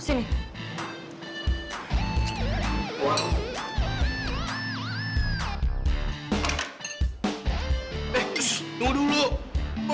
eh tunggu dulu